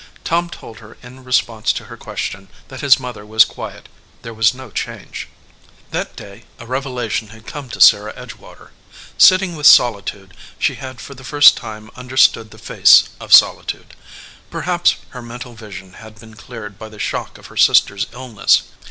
Tom told her in response to her question that his mother was quiet, there was no change. That day a revelation had come to Sarah Edge water. Sitting with solitude, she had for the first time understood the face of solitude. Perhaps her mental vision had been cleared by the shock of her sister s illness.